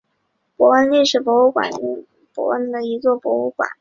伯恩历史博物馆是位于瑞士首都伯恩的一座博物馆。